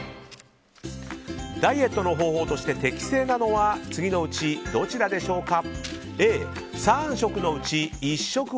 ダイエットの方法として適正なのは次のうちどちらでしょうか？